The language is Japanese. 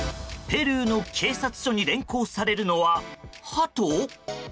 ペルーの警察署に連行されるのは、ハト？